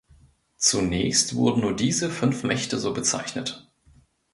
Zunächst wurden nur diese fünf Mächte so bezeichnet.